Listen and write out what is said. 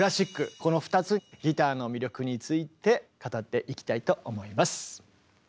この２つギターの魅力について語っていきたいと思います。